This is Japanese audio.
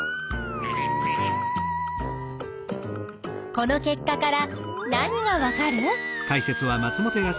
この結果から何がわかる？